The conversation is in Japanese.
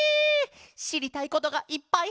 しりたいことがいっぱい！